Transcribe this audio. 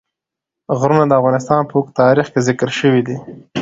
غرونه د افغانستان په اوږده تاریخ کې ذکر شوی دی.